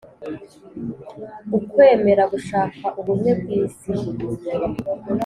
ukwemera gushaka ubumwe bw’isi